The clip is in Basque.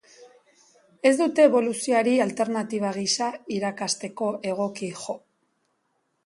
Ez dute eboluzioari alternatiba gisa irakasteko egoki jo.